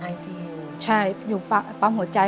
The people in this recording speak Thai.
อิซียูใช่อยู่ปังหัวใจ